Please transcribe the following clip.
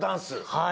はい。